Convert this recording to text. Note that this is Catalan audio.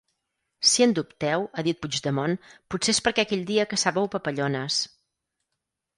Si en dubteu –ha dit Puigdemont– potser és perquè aquell dia caçàveu papallones.